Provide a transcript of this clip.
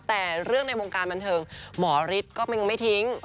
แต่เรื่องในวงการบันเทิงหมอฤทธิ์ก็ยังไม่ทิ้ง